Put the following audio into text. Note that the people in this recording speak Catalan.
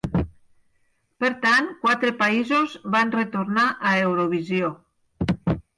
Per tant, quatre països van retornar a Eurovisió.